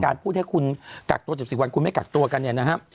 พูดให้คุณกักตัว๑๔วันคุณไม่กักตัวกันเนี่ยนะครับ